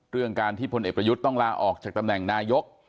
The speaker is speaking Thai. เรื่องการที่พลเอกประยุทธ์ต้องลาออกจากตำแหน่งนายก